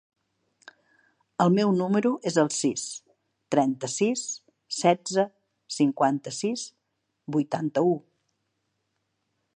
El meu número es el sis, trenta-sis, setze, cinquanta-sis, vuitanta-u.